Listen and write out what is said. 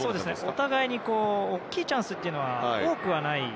お互いに大きいチャンスは多くない。